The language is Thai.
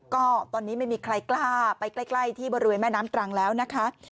ก็ตอนนี้ไม่มีใครกล้าไปใกล้ที่บริเวณแม่น้ำตรังแล้วนะคะ